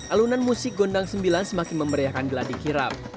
alunan musik gondang sembilan semakin memeriahkan geladik kirap